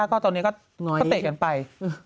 ก็ตอนนี้ก็เตะกันไป